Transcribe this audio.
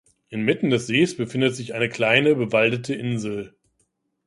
Inmitten des Sees befindet sich eine kleine bewaldete Insel.